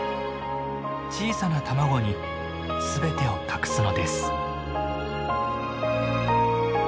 小さな卵に全てを託すのです。